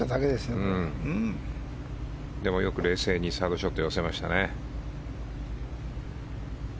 でも、よく冷静にサードショットを寄せましたね。